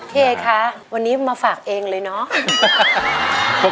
เอคะวันนี้มาฝากเองเลยเนาะ